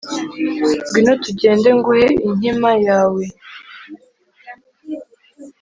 ngwino tugende nguhe inkima yawe,